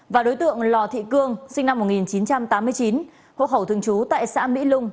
và đối tượng lò thị cương sinh năm một nghìn chín trăm tám mươi chín hộ khẩu thường trú tại xã mỹ lung